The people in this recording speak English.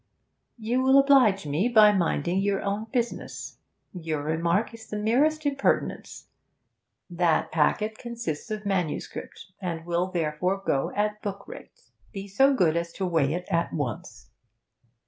'You will oblige me by minding your own business. Your remark is the merest impertinence. That packet consists of MS., and will, therefore, go at book rate. Be so good as to weigh it at once.'